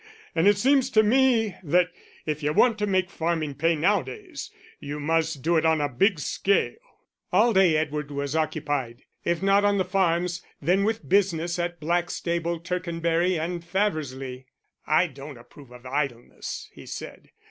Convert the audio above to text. And it seems to me that if you want to make farming pay nowadays you must do it on a big scale." All day Edward was occupied, if not on the farms, then with business at Blackstable, Tercanbury, and Faversley. "I don't approve of idleness," he said.